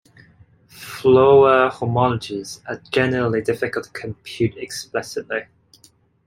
Floer homologies are generally difficult to compute explicitly.